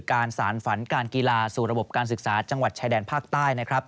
การสรรฝันการกีฬาสู่ระบบการศึกษาจังหวัดใช่แดนภาคใต้